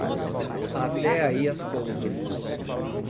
Até aí as cousas.